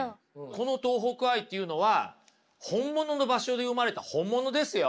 この東北愛っていうのは本物の場所で生まれた本物ですよ。